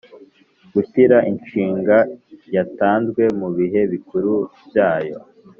Gushyira inshinga yatanzwe mu bihe bikuru Byayo